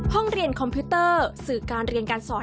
ห้องเรียนคอมพิวเตอร์สื่อการเรียนการสอน